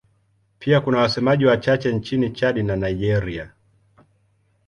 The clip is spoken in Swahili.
Pia kuna wasemaji wachache nchini Chad na Nigeria.